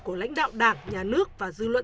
của lãnh đạo đảng nhà nước và dư luận